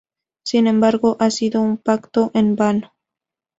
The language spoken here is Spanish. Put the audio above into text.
Sin embargo, ha sido un pacto en vano.